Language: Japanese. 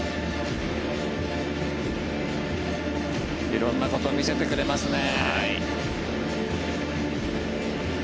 色んなことを見せてくれますね。